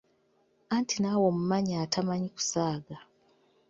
Anti naawe omumanyi atamanyi kusaaga…..!